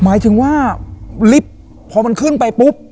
หมายถึงว่าลิฟต์พอมันขึ้นไปปุ๊บ